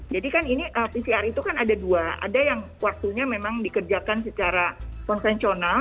kan ini pcr itu kan ada dua ada yang waktunya memang dikerjakan secara konvensional